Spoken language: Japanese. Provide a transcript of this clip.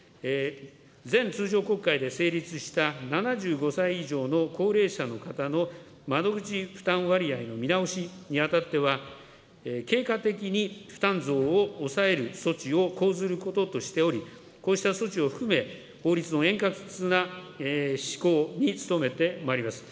前通常国会で成立した７５歳以上の高齢者の方の窓口負担割合の見直しにあたっては、経過的に負担増を抑える措置を講ずることとしており、こうした措置を含め、法律の円滑な施行に努めてまいります。